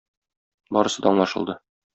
Барысы да аңлашылды.